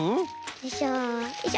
よいしょよいしょ。